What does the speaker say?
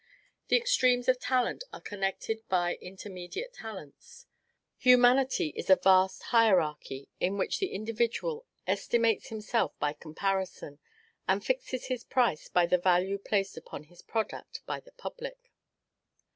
The extremes of talent are connected by intermediate talents. Humanity is a vast hierarchy, in which the individual estimates himself by comparison, and fixes his price by the value placed upon his product by the public."